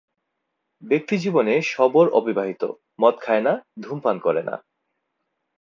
ব্যক্তিজীবনে শবর অবিবাহিত, মদ খায় না, ধূমপান করে না।